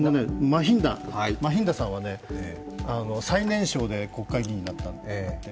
マヒンダさんは最年少で国会議員になったんです。